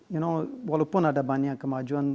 you know walaupun ada banyak kemajuan